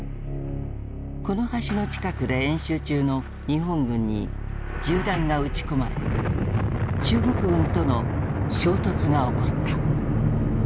この橋の近くで演習中の日本軍に銃弾が撃ち込まれ中国軍との衝突が起こった。